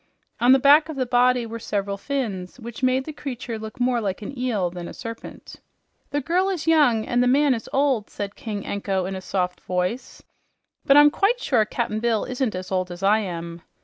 On the back of the body were several fins, which made the creature look more like an eel than a serpent. "The girl is young and the man is old," said King Anko in a soft voice. "But I'm quite sure Cap'n Bill isn't as old as I am."